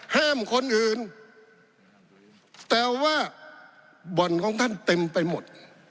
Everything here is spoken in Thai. ห้ามคนอื่นแต่ว่าบ่อนของท่านเต็มไปหมด